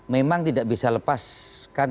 memang tidak bisa lepaskan